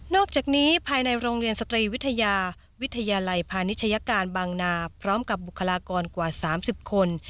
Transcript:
อกจากนี้ภายในโรงเรียนสตรีวิทยาวิทยาลัยพาณิชยการบางนาพร้อมกับบุคลากรกว่า๓๐คน